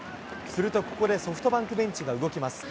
すると、ここでソフトバンクベンチが動きます。